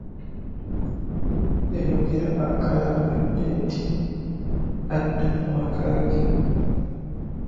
Yayogera akalambidde nti adda mu maka ge.